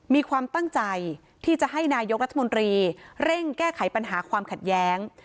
มีความตั้งใจที่จะให้นายกรัฐมนตรีเร่งแก้ไขปัญหาความขัดแย้ง